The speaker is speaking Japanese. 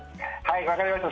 わかりました。